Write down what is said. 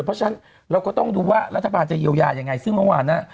เพราะฉะนั้นเราก็ต้องดูว่ารัฐบาลจะเยียวยายังไงซึ่งเมื่อวานน่ะ